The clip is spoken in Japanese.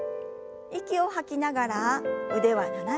息を吐きながら腕は斜め下。